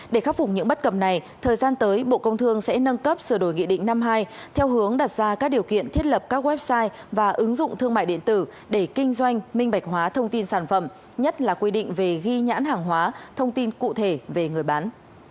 để khắc phục những bất cập này thời gian tới bộ công thương sẽ nâng cấp sửa đổi nghị định năm hai theo hướng đặt ra các điều kiện thiết lập các website và ứng dụng thương mại điện tử để kinh doanh minh bạch hóa thông tin sản phẩm nhất là quy định về ghi nhãn hàng hóa thông tin cụ thể về người bán